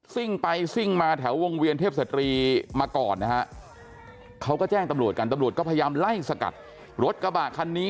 ่งไปซิ่งมาแถววงเวียนเทพศตรีมาก่อนนะฮะเขาก็แจ้งตำรวจกันตำรวจก็พยายามไล่สกัดรถกระบะคันนี้